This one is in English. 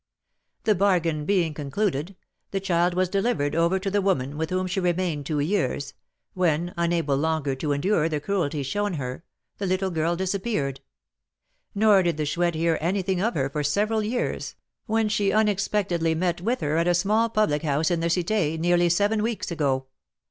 "The bargain being concluded, the child was delivered over to the woman, with whom she remained two years, when, unable longer to endure the cruelty shown her, the little girl disappeared; nor did the Chouette hear anything of her for several years, when she unexpectedly met with her at a small public house in the Cité, nearly seven weeks ago.